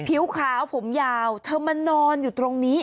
ผิวขาวผมยาวเธอมานอนอยู่ตรงนี้